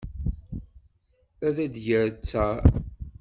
Ad d-yer ttar.